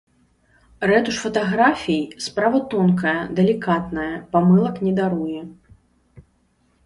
Рэтуш фатаграфій справа тонкая, далікатная, памылак не даруе.